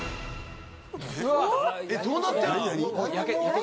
どうなってんの？